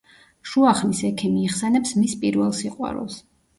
შუახნის ექიმი იხსენებს მის პირველ სიყვარულს.